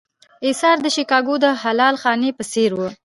اېثار د شیکاګو د حلال خانې په څېر و.